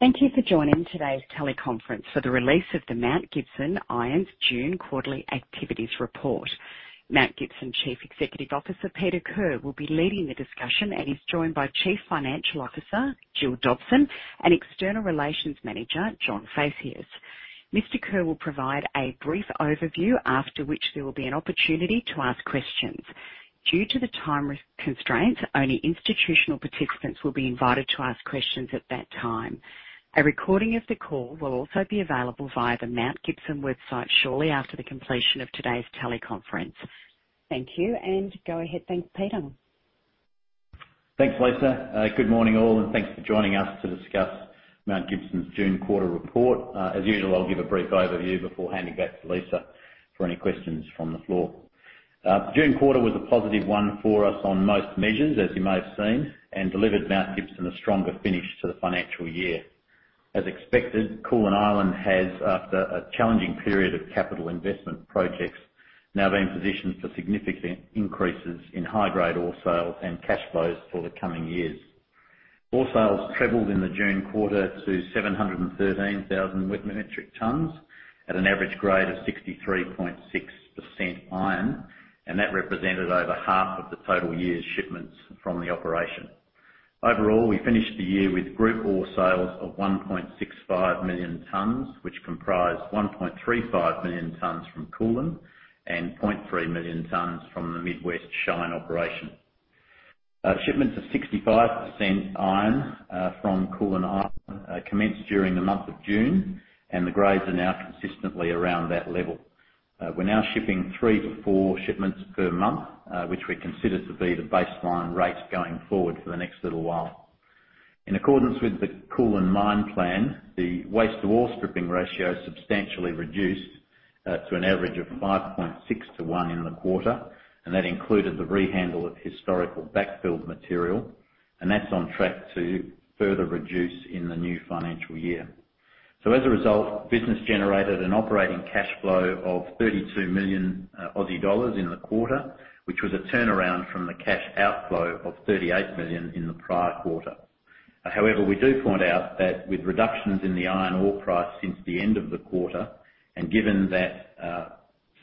Thank you for joining today's teleconference for the release of the Mount Gibson Iron's June quarterly activities report. Mount Gibson Chief Executive Officer, Peter Kerr, will be leading the discussion and is joined by Chief Financial Officer, Gill Dobson, and External Relations Manager, John Phaceas. Mr. Kerr will provide a brief overview, after which there will be an opportunity to ask questions. Due to the time constraints, only institutional participants will be invited to ask questions at that time. A recording of the call will also be available via the Mount Gibson website shortly after the completion of today's teleconference. Thank you, and go ahead, thanks, Peter. Thanks, Lisa. Good morning, all, and thanks for joining us to discuss Mount Gibson's June quarter report. As usual, I'll give a brief overview before handing back to Lisa for any questions from the floor. June quarter was a positive one for us on most measures, as you may have seen, and delivered Mount Gibson a stronger finish to the financial year. As expected, Koolan Island has, after a challenging period of capital investment projects, now been positioned for significant increases in high-grade ore sales and cash flows for the coming years. Ore sales trebled in the June quarter to 713,000 wet metric tons at an average grade of 63.6% iron, and that represented over half of the total year's shipments from the operation. Overall, we finished the year with group ore sales of 1.65 million tons, which comprised 1.35 million tons from Koolan and 0.3 million tons from the Mid-West Shine operation. Shipments of 65% iron from Koolan Island commenced during the month of June, and the grades are now consistently around that level. We're now shipping three to four shipments per month, which we consider to be the baseline rate going forward for the next little while. In accordance with the Koolan mine plan, the waste to ore stripping ratio substantially reduced to an average of 5.6 to one in the quarter, and that included the rehandle of historical backfill material, and that's on track to further reduce in the new financial year. As a result, business generated an operating cash flow of 32 million Aussie dollars in the quarter, which was a turnaround from the cash outflow of 38 million in the prior quarter. However, we do point out that with reductions in the iron ore price since the end of the quarter, and given that,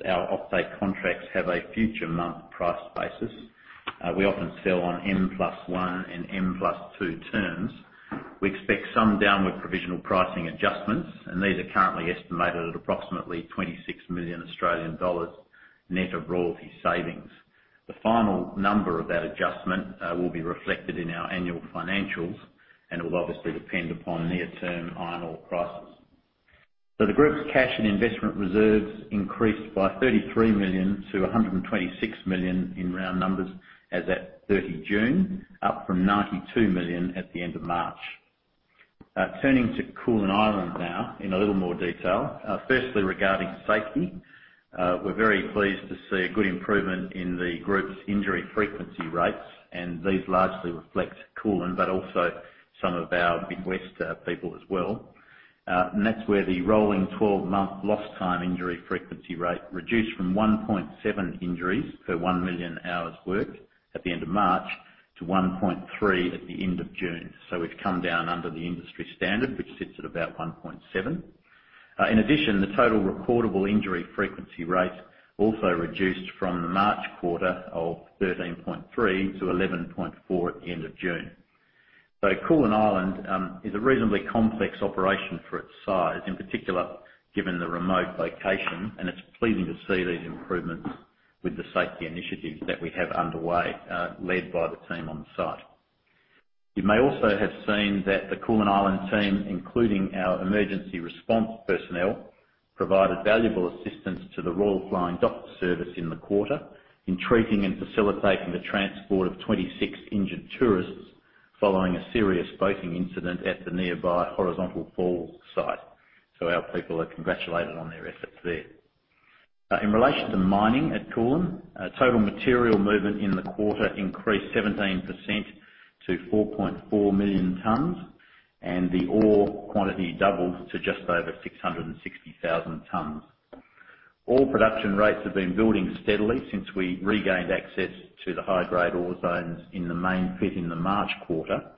our off-take contracts have a future month price basis, we often sell on N+1 and N+2 terms. We expect some downward provisional pricing adjustments, and these are currently estimated at approximately 26 million Australian dollars net of royalty savings. The final number of that adjustment will be reflected in our annual financials and will obviously depend upon near-term iron ore prices. The group's cash and investment reserves increased by 33 million to 126 million in round numbers as at 30 June, up from 92 million at the end of March. Turning to Koolan Island now in a little more detail. Firstly, regarding safety, we're very pleased to see a good improvement in the group's injury frequency rates, and these largely reflect Koolan, but also some of our Mid-West people as well. That's where the rolling 12-month lost time injury frequency rate reduced from 1.7 injuries per 1 million hours worked at the end of March to 1.3 at the end of June. We've come down under the industry standard, which sits at about 1.7. In addition, the total recordable injury frequency rate also reduced from the March quarter of 13.3 to 11.4 at the end of June. Koolan Island is a reasonably complex operation for its size, in particular, given the remote location, and it's pleasing to see these improvements with the safety initiatives that we have underway, led by the team on the site. You may also have seen that the Koolan Island team, including our emergency response personnel, provided valuable assistance to the Royal Flying Doctor Service in the quarter in treating and facilitating the transport of 26 injured tourists following a serious boating incident at the nearby Horizontal Falls site. Our people are congratulated on their efforts there. In relation to mining at Koolan, total material movement in the quarter increased 17% to 4.4 million tons, and the ore quantity doubled to just over 660,000 tons. Ore production rates have been building steadily since we regained access to the high-grade ore zones in the main pit in the March quarter,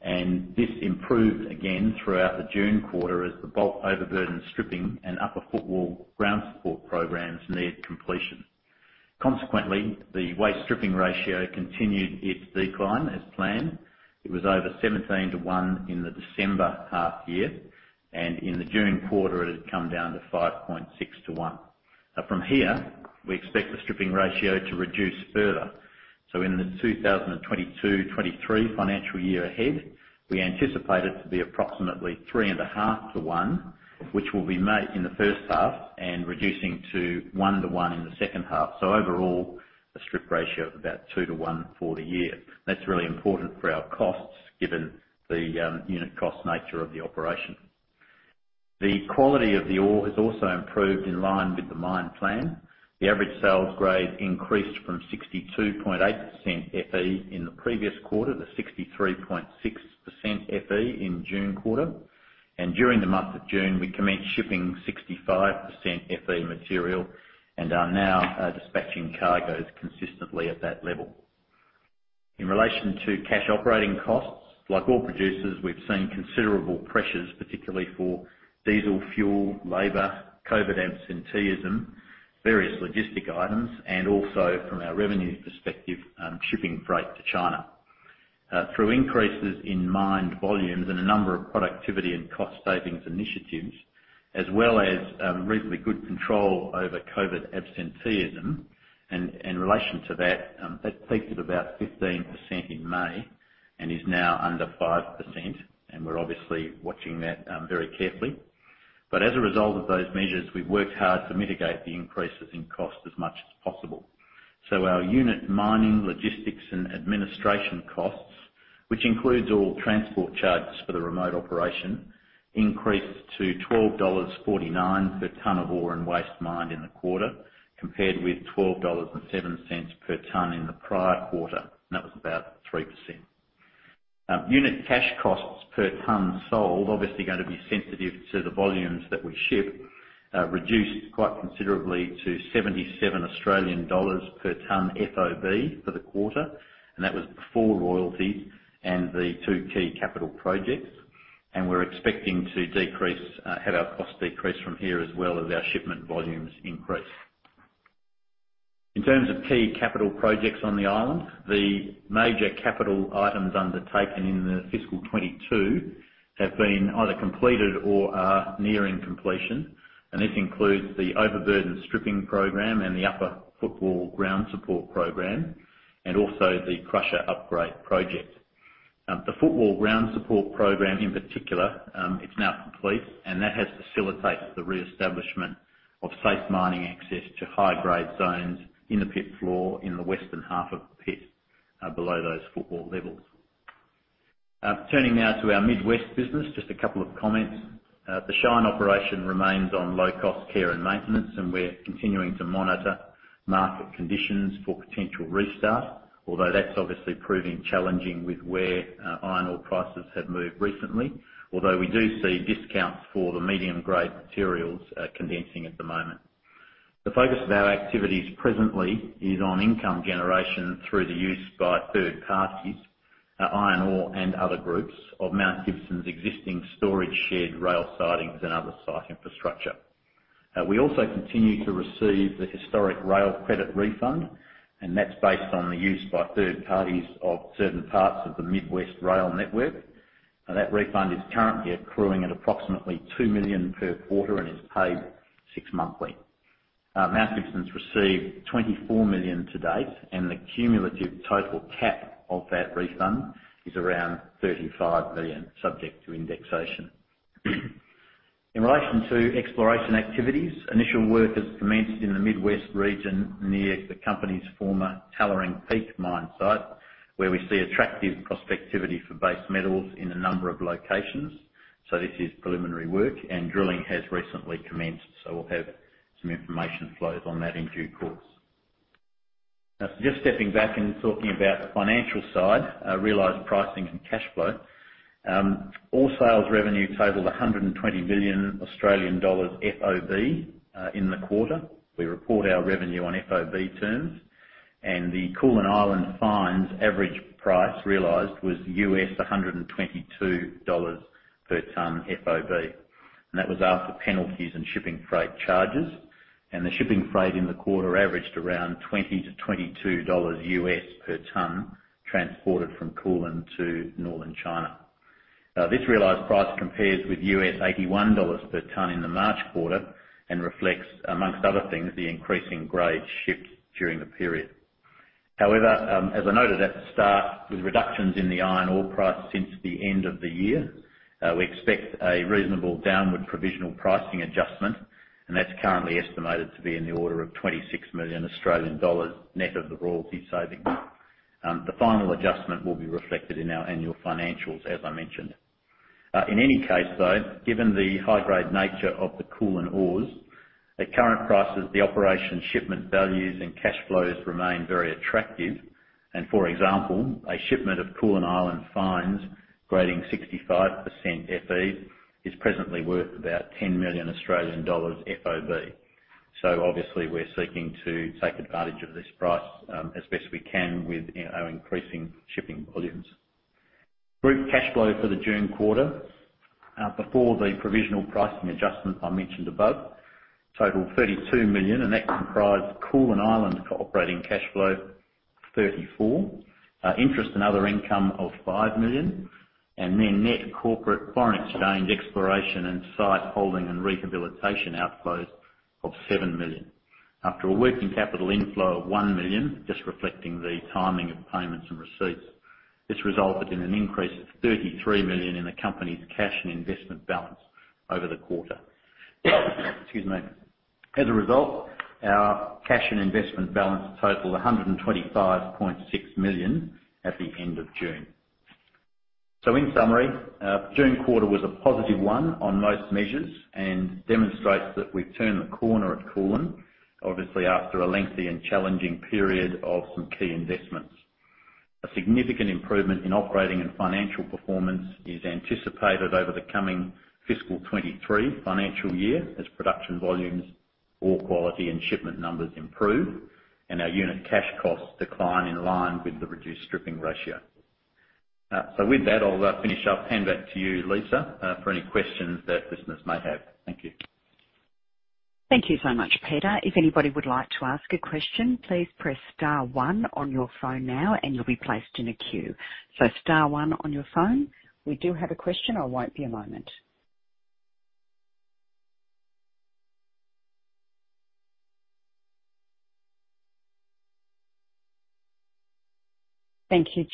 and this improved again throughout the June quarter as the bulk overburden stripping and upper footwall ground support programs neared completion. Consequently, the waste stripping ratio continued its decline as planned. It was over 17 to one in the December half year, and in the June quarter, it had come down to 5.6 to one. From here, we expect the stripping ratio to reduce further. In the 2022-2023 financial year ahead, we anticipate it to be approximately 3.5 to one, which will be in the first half and reducing to one to one in the second half. Overall, a strip ratio of about two to one for the year. That's really important for our costs, given the unit cost nature of the operation. The quality of the ore has also improved in line with the mine plan. The average sales grade increased from 62.8% FE in the previous quarter to 63.6% FE in June quarter. During the month of June, we commenced shipping 65% FE material and are now dispatching cargoes consistently at that level. In relation to cash operating costs, like all producers, we've seen considerable pressures, particularly for diesel fuel, labor, COVID absenteeism, various logistics items, and also from our revenue perspective, shipping freight to China. Through increases in mined volumes and a number of productivity and cost savings initiatives, as well as reasonably good control over COVID absenteeism. In relation to that peaked at about 15% in May and is now under 5%, and we're obviously watching that very carefully. But as a result of those measures, we've worked hard to mitigate the increases in cost as much as possible. Our unit mining, logistics, and administration costs, which includes all transport charges for the remote operation, increased to 12.49 dollars per ton of ore and waste mined in the quarter, compared with 12.07 dollars per ton in the prior quarter. That was about 3%. Unit cash costs per ton sold, obviously gonna be sensitive to the volumes that we ship, reduced quite considerably to 77 Australian dollars per ton FOB for the quarter, and that was before royalties and the two key capital projects. We're expecting to have our costs decrease from here as well as our shipment volumes increase. In terms of key capital projects on the island, the major capital items undertaken in the fiscal 2022 have been either completed or are nearing completion, and this includes the overburden stripping program and the upper footwall ground support program and also the crusher upgrade project. The footwall ground support program in particular, it's now complete, and that has facilitated the reestablishment of safe mining access to high-grade zones in the pit floor in the western half of the pit, below those footwall levels. Turning now to our Mid West business. Just a couple of comments. The Shine operation remains on low-cost care and maintenance, and we're continuing to monitor market conditions for potential restart, although that's obviously proving challenging with where iron ore prices have moved recently. Although we do see discounts for the medium-grade materials, condensing at the moment. The focus of our activities presently is on income generation through the use by third parties, iron ore and other groups of Mount Gibson's existing storage shed, rail sidings, and other site infrastructure. We also continue to receive the historic rail credit refund, and that's based on the use by third parties of certain parts of the Mid-West rail network. That refund is currently accruing at approximately 2 million per quarter and is paid six-monthly. Mount Gibson's received 24 million to date, and the cumulative total cap of that refund is around 35 million, subject to indexation. In relation to exploration activities, initial work has commenced in the Mid-West region near the company's former Tallaring Peak mine site, where we see attractive prospectivity for base metals in a number of locations. This is preliminary work, and drilling has recently commenced, so we'll have some information flows on that in due course. Now, just stepping back and talking about the financial side, realized pricing and cash flow. All sales revenue totaled 120 million Australian dollars FOB in the quarter. We report our revenue on FOB terms. The Koolan Island fines average price realized was $122 per ton FOB, and that was after penalties and shipping freight charges. The shipping freight in the quarter averaged around $20-$22 per ton transported from Koolan to Northern China. This realized price compares with $81 per ton in the March quarter and reflects, among other things, the increasing grade shipped during the period. However, as I noted at the start, with reductions in the iron ore price since the end of the year, we expect a reasonable downward provisional pricing adjustment, and that's currently estimated to be in the order of 26 million Australian dollars, net of the royalty savings. The final adjustment will be reflected in our annual financials, as I mentioned. In any case, though, given the high-grade nature of the Koolan ores, at current prices, the operation shipment values and cash flows remain very attractive. For example, a shipment of Koolan Island fines grading 65% FE is presently worth about 10 million Australian dollars FOB. Obviously, we're seeking to take advantage of this price, as best we can with, you know, increasing shipping volumes. Group cash flow for the June quarter, before the provisional pricing adjustments I mentioned above, total 32 million, and that comprised Koolan Island operating cash flow 34 million, interest and other income of 5 million, and then net corporate foreign exchange exploration and site holding and rehabilitation outflows of 7 million. After a working capital inflow of 1 million, just reflecting the timing of payments and receipts, this resulted in an increase of 33 million in the company's cash and investment balance over the quarter. Excuse me. As a result, our cash and investment balance totaled 125.6 million at the end of June. In summary, June quarter was a positive one on most measures and demonstrates that we've turned the corner at Koolan, obviously after a lengthy and challenging period of some key investments. A significant improvement in operating and financial performance is anticipated over the coming fiscal 2023 financial year as production volumes, ore quality and shipment numbers improve and our unit cash costs decline in line with the reduced stripping ratio. With that, I'll finish up. Hand back to you, Lisa, for any questions that listeners may have. Thank you. Thank you so much, Peter. If anybody would like to ask a question, please press star one on your phone now and you'll be placed in a queue. Star one on your phone. We do have a question. I'll wait a moment. Thank you.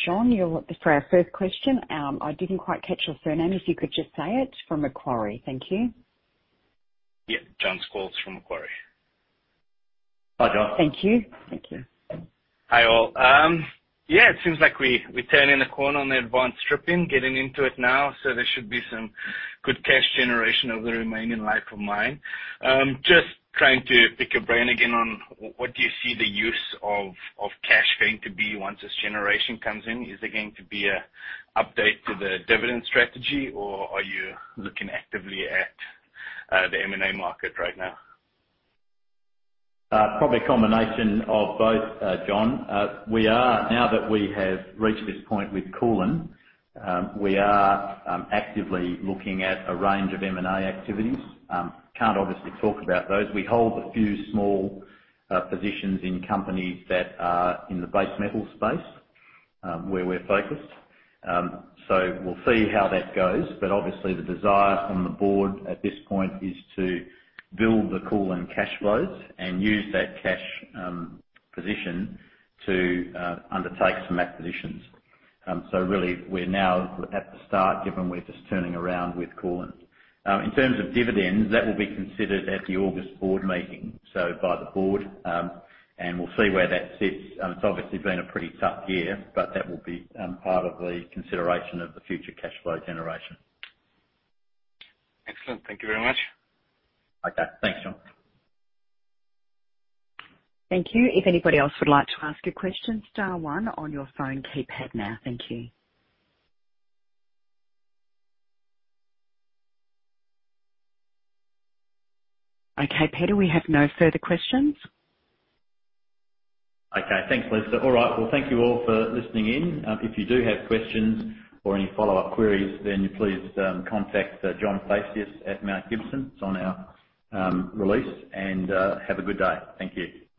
Jon, you're up for our first question. I didn't quite catch your surname, if you could just say it. From Macquarie. Thank you. Yeah. Jon Scholtz from Macquarie. Hi, Jon. Thank you. Thank you. Hi, all. Yeah, it seems like we're turning a corner on the advanced stripping, getting into it now, so there should be some good cash generation over the remaining life of mine. Just trying to pick your brain again on what do you see the use of cash going to be once this generation comes in? Is there going to be a update to the dividend strategy, or are you looking actively at the M&A market right now? Probably a combination of both, Jon. Now that we have reached this point with Koolan, we are actively looking at a range of M&A activities. Can't obviously talk about those. We hold a few small positions in companies that are in the base metal space, where we're focused. We'll see how that goes. Obviously the desire from the board at this point is to build the Koolan cash flows and use that cash position to undertake some acquisitions. Really we're now at the start, given we're just turning around with Koolan. In terms of dividends, that will be considered at the August board meeting, by the board, and we'll see where that sits. It's obviously been a pretty tough year, but that will be part of the consideration of the future cash flow generation. Excellent. Thank you very much. Okay. Thanks, Jon. Thank you. If anybody else would like to ask a question, star one on your phone keypad now. Thank you. Okay, Peter, we have no further questions. Okay, thanks, Lisa. All right. Well, thank you all for listening in. If you do have questions or any follow-up queries, then please, contact John Phaceas at Mount Gibson. It's on our release. Have a good day. Thank you.